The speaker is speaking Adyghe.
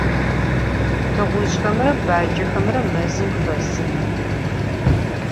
Tığuzjxemre bacexemre mezım xesıx.